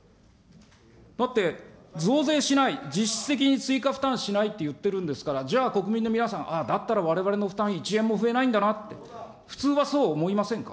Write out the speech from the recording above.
だって、増税しない、実質的に追加負担しないって言ってるんですから、じゃあ国民の皆さん、だったらわれわれの負担、１円も増えないんだなって、普通はそう思いませんか。